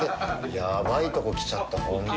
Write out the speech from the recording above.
やばいとこ来ちゃった、本当に。